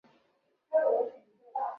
张调鼎是崇祯四年迁官礼部主事。